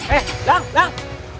eh dang dang